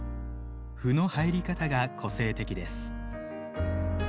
斑の入り方が個性的です。